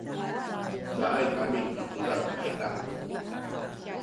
cayay kami picudad ayza